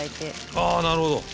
ああなるほど。